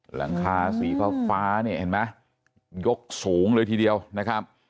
หลังคาสีฟ้าเนี่ยเห็นไหมยกสูงเลยทีเดียวนะครับ